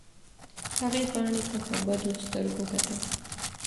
هغې پاڼې ته په بدو سترګو کتل.